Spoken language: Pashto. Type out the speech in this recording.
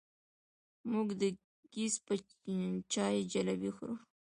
موږ د ګیځ په چای جلبۍ خورو.